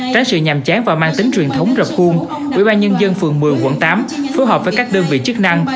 trái sự nhằm chán và mang tính truyền thống rập khuôn ubnd phường một mươi quận tám phù hợp với các đơn vị chức năng